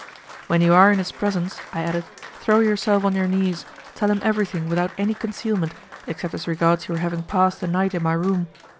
"When you are in his presence," I added, "throw yourself on your knees, tell him everything without any concealment, except as regards your having passed the night in my room.